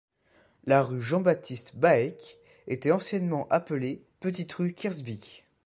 La rue Jean-Baptiste Baeck était anciennement appelée Petite Rue Kersbeek.